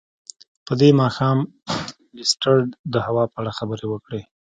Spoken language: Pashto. په دې ماښام لیسټرډ د هوا په اړه خبرې وکړې.